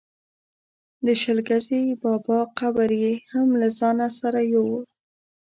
د شل ګزي بابا قبر یې هم له ځانه سره یووړ.